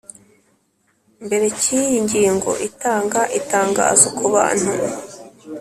mbere cy iyi ngingo itanga itangazo ku Bantu